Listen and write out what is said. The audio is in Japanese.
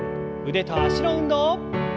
腕と脚の運動。